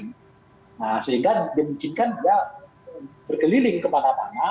nah sehingga dimungkinkan dia berkeliling kemana mana